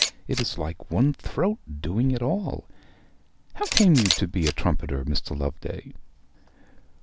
It is like one throat doing it all. How came you to be a trumpeter, Mr. Loveday?'